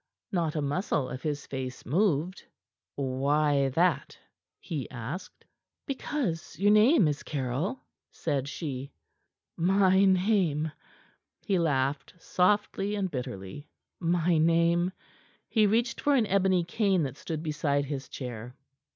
Not a muscle of his face moved. "Why that?" he asked. "Because your name is Caryll," said she. "My name?" he laughed softly and bitterly. "My name?" He reached for an ebony cane that stood beside his chair.